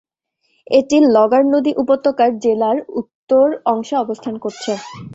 এটি লগার নদী উপত্যকার জেলার উত্তর অংশে অবস্থান করছে।